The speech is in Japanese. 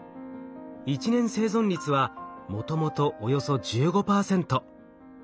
１年生存率はもともとおよそ１５％。